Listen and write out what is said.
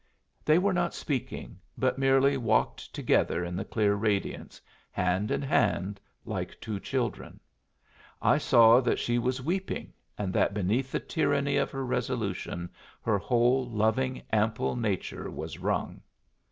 They were not speaking, but merely walked together in the clear radiance, hand in hand, like two children. I saw that she was weeping, and that beneath the tyranny of her resolution her whole loving, ample nature was wrung.